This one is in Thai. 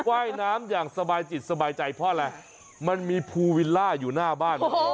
ว่ายน้ำอย่างสบายจิตสบายใจเพราะอะไรมันมีภูวิลล่าอยู่หน้าบ้าน